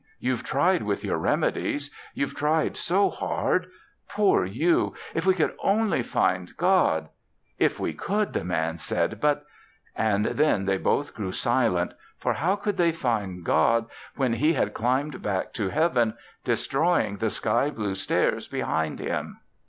You've tried with your remedies you've tried so hard. Poor you! If we could only find God " "If we could," the Man said, "but " And then they both grew silent, for how could they find God when He had climbed back to Heaven, destroying the sky blue stairs behind Him?